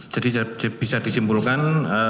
jadi bisa disimpulkan